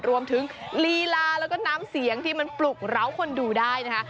ลีลาแล้วก็น้ำเสียงที่มันปลุกร้าวคนดูได้นะคะ